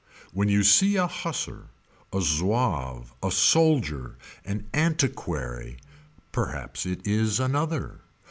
When you see a Hussar. A Zouave. A soldier An antiquary. Perhaps it is another.